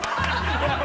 ハハハ